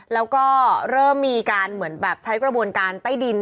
แล้วก็เริ่มมีการเหมือนแบบใช้กระบวนการใต้ดิน